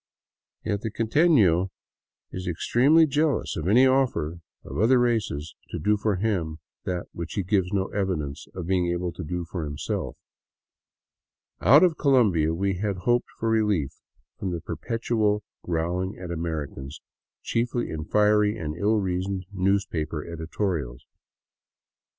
Yet the quitefio is extremely jealous of any offer of other races to do for him that which he gives no evidence of being able to do for himself. Once out of Colombia, we had hoped for relief from the per petual growling at Americans, chiefly in fiery and ill reasoned news paper editorials.